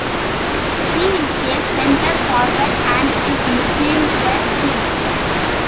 He is a centre forward and is nicknamed the "Chief".